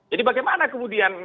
jadi bagaimana kemudian